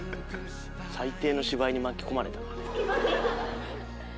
最低の芝居に巻き込まれたな。